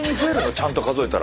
ちゃんと数えたら。